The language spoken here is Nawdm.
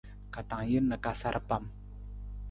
Ka tang jin na ka sar pam.